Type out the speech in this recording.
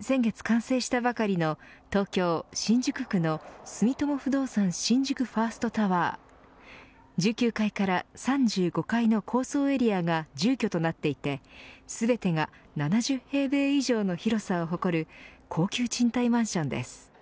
先月完成したばかりの東京、新宿区の住友不動産新宿ファーストタワー１９階から３５階の高層エリアが住居となっていて全てが７０平米以上の広さを誇る高級賃貸マンションです。